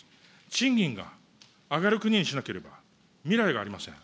賃金が上がる国にしなければ、未来がありません。